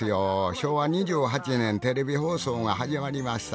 昭和２８年テレビ放送が始まりました。